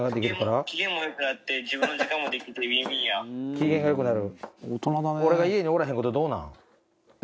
機嫌が良くなる？